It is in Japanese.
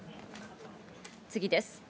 次です。